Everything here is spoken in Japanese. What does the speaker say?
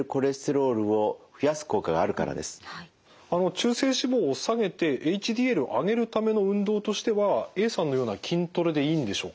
中性脂肪を下げてＨＤＬを上げるための運動としてはＡさんのような筋トレでいいんでしょうか？